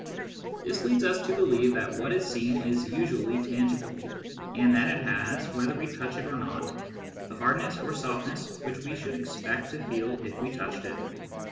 This leads us to believe that what is seen is usually tangible, and that it has, whether we touch it or not, the hardness or softness which we should expect to feel if we touched it.